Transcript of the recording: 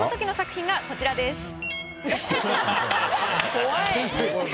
怖い。